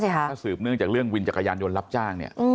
ถ้าสืบเนื่องจากเรื่องวินจักรยานยนต์รับจ้างเนี่ย